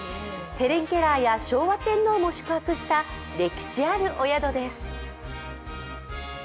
ヘレン・ケラーや昭和天皇も宿泊した歴史あるお宿です。